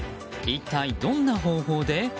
一体どんな方法で？